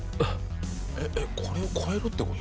えっこれを越えるって事？